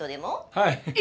はい。